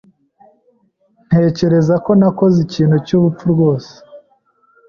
Ntekereza ko nakoze ikintu cyubupfu rwose.